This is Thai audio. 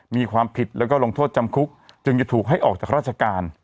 มีความผิดแล้วก็ลงโทษจำคุกจึงจะถูกให้ออกจากราชการ